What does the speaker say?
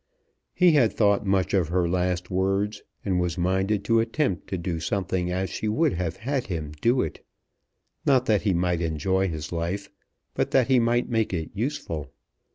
He had thought much of her last words, and was minded to attempt to do something as she would have had him do it; not that he might enjoy his life, but that he might make it useful.